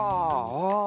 ああ。